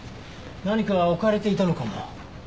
何か置かれていたのかも。